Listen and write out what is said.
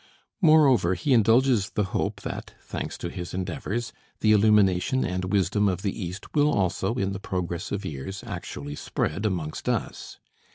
Moreover, he indulges the hope that, thanks to his endeavors, the illumination and wisdom of the East will also, in the progress of years, actually spread amongst us.